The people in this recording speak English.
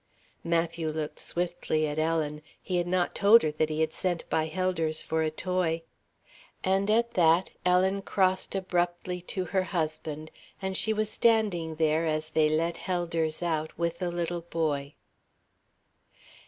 Matthew looked swiftly at Ellen. He had not told her that he had sent by Helders for a toy. And at that Ellen crossed abruptly to her husband, and she was standing there as they let Helders out, with the little boy.